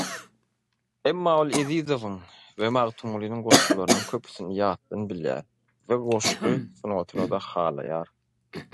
Emma ol Ezizowyň we Magtymgulynyň goşgylarynyň köpsini ýatdan bilýär we goşgy sungatyny-da halaýar.